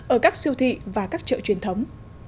ở các siêu thị và các chợ truyền thống